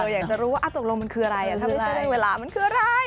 อยากจะรู้ว่าตกลงมันคืออะไรถ้าไม่ต้องให้เวลามันคืออะไร